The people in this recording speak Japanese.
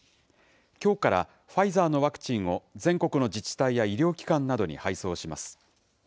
きょうからファイザーのワクチンを全国の自治体や医療機関などに配送します。